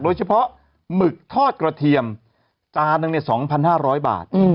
หมึกทอดกระเทียมจานหนึ่ง๒๕๐๐บาท